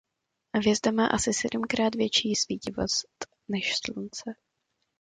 Hvězda má asi sedmkrát větší svítivost než Slunce.